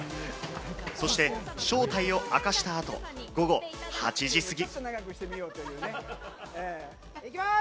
そして正体を明かした後、午後８時過ぎ。